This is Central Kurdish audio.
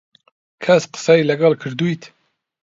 کەس قسەی لەگەڵ کردوویت؟